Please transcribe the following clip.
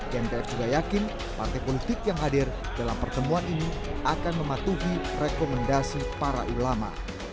gnpf juga yakin partai politik yang hadir dalam pertemuan ini akan mematuhi rekomendasi para ulama